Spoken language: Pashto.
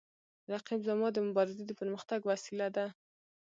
رقیب زما د مبارزې د پرمختګ وسیله ده